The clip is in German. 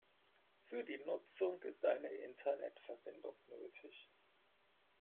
Für die Nutzung ist eine Internetverbindung nötig.